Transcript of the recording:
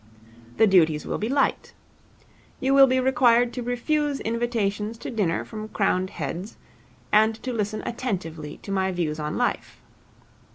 The duties will be light. You will be required to refuse invitations to dinner from crowned heads, and to listen attentively to my views on Life.